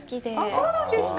そうなんですか。